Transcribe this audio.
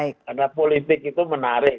karena politik itu menarik